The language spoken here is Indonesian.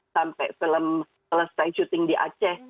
sampai film selesai syuting di aceh